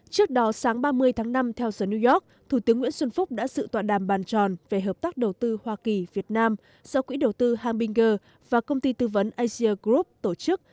trước đó sáng ba mươi tháng năm theo giờ new york thủ tướng nguyễn xuân phúc đã sự tọa đàm bàn tròn về hợp tác đầu tư hoa kỳ việt nam do quỹ đầu tư hambinger và công ty tư vấn asia group tổ chức